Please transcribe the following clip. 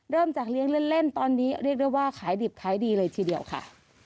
เริ่มจากเลี้ยงเล่นตอนนี้เรียกได้ว่าขายดิบขายดีเลยทีเดียวค่ะ